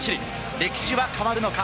歴史は変わるのか？